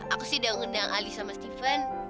aku sih udah ngundang ali sama steven